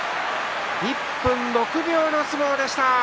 １分６秒の相撲でした。